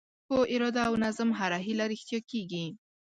په اراده او نظم هره هیله رښتیا کېږي.